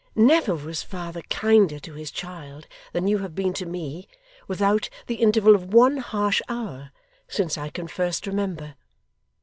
Never was father kinder to his child than you have been to me, without the interval of one harsh hour, since I can first remember.